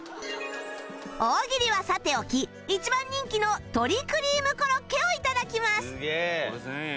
大喜利はさておき一番人気の鶏クリームコロッケを頂きます